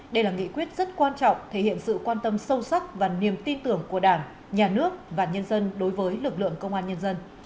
đây là nghị quyết rất quan trọng thể hiện sự quan tâm sâu sắc và niềm tin tưởng của đảng nhà nước và nhân dân đối với lực lượng công an nhân dân